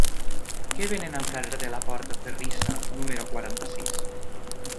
Què venen al carrer de la Portaferrissa número quaranta-sis?